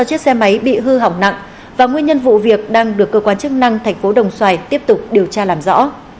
ba chiếc xe máy bị hư hỏng nặng và nguyên nhân vụ việc đang được cơ quan chức năng thành phố đồng xoài tiếp tục điều tra làm rõ